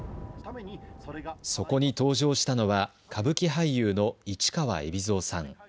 そこに登場したのは歌舞伎俳優の市川海老蔵さん。